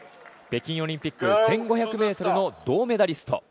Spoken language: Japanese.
北京オリンピック１５００ｍの銅メダリスト。